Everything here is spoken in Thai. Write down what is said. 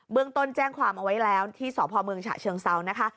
เรื่องต้นแจ้งความเอาไว้แล้วที่สพเมืองฉะเชิงเซานะคะ